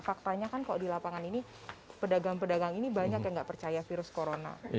faktanya kan kalau di lapangan ini pedagang pedagang ini banyak yang nggak percaya virus corona